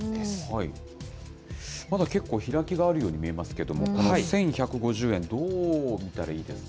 まだ結構開きがあるように見えますけれども、１１５０円、どう見たらいいですか。